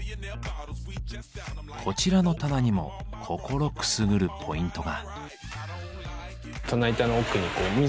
こちらの棚にも心くすぐるポイントが。